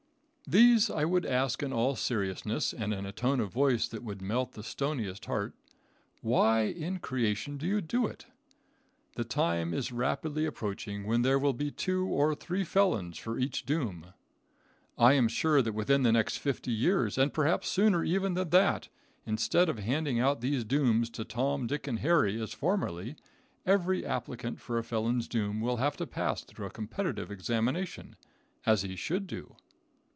These I would ask in all seriousness and in a tone of voice that would melt the stoniest heart: "Why in creation do you do it?" The time is rapidly approaching when there will be two or three felons for each doom. I am sure that within the next fifty years, and perhaps sooner even than that, instead of handing out these dooms to Tom, Dick and Harry as formerly, every applicant for a felon's doom will have to pass through a competitive examination, as he should do.